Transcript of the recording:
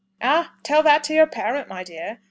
"Ah! tell that to your parent, my dear.